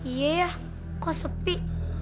iya ya kok sepi